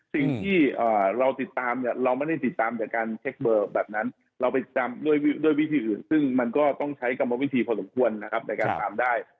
สิ่งที่เราติดตามเนี่ยเราไม่ได้ติดตามจากการเช็คเบอร์แบบนั้นเราไปตามด้วยวิธีอื่นซึ่งมันก็ต้องใช้กรรมวิธีพอสมควรนะครับในการตามได้